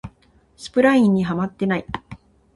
スプラインにハマってない